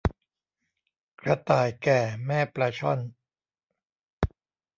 กระต่ายแก่แม่ปลาช่อน